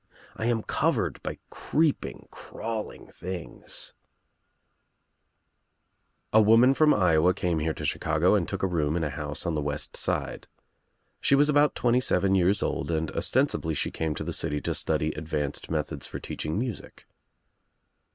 I am covered by creeping crawling things," A woman from Iowa came here to Chicago and took a room in a house on the west side. She was about twenty seven years old and ostensibly she came to the city to study advanced methods for teaching music.